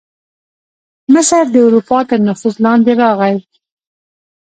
مصر د اروپا تر نفوذ لاندې راغی.